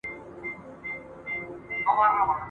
پک که ډاکتر وای اول به یې د خپل سر علاج کړی وای ..